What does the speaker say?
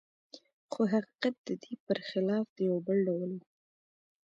خو حقیقت د دې پرخلاف دی او بل ډول و